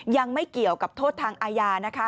ยังไม่เกี่ยวกับโทษทางอาญานะคะ